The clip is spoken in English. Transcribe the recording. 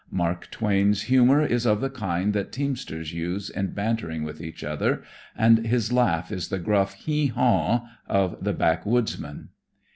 Mark Twain's humor is of the kind that teamsters use in bantering with each other, and his laugh is the gruff "haw haw" of the backwoodsman.